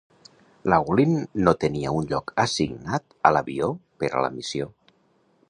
Laughlin no tenia un lloc assignat a l"avió per a la missió.